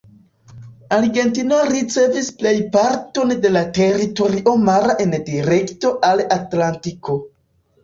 Argentino ricevis plej parton de la teritorio mara en direkto al Atlantiko.